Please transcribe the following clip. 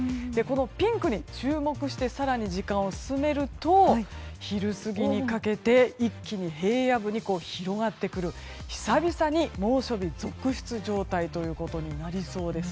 ピンクに注目して更に時間を進めると昼過ぎにかけて一気に平野部に広がってくる、久々に猛暑日続出状態となりそうです。